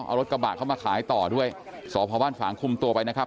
เอารถกระบะเข้ามาขายต่อด้วยสพบ้านฝางคุมตัวไปนะครับ